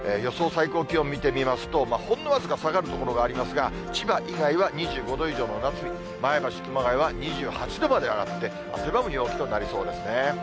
最高気温見てみますと、ほんの僅か下がる所がありますが、千葉以外は２５度以上の夏日、前橋、熊谷は２８度まで上がって、汗ばむ陽気となりそうですね。